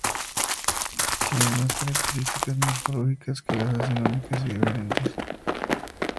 Tienen unas características morfológicas que las hacen únicas y diferentes.